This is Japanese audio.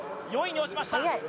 ４位に落ちました